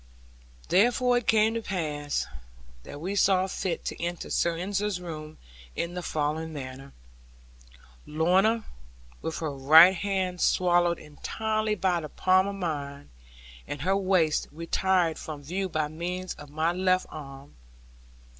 Therefore it came to pass, that we saw fit to enter Sir Ensor's room in the following manner. Lorna, with her right hand swallowed entirely by the palm of mine, and her waist retired from view by means of my left arm.